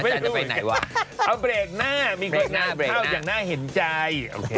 เอาเบรกหน้ามีคนงานข้าวอย่างน่าเห็นใจ